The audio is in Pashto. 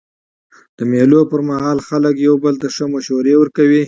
د مېلو پر مهال خلک یو بل ته ښه مشورې ورکوي.